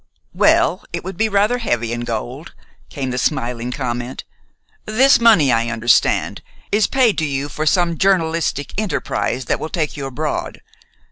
"Well, it would be rather heavy in gold," came the smiling comment. "This money, I understand, is paid to you for some journalistic enterprise that will take you abroad.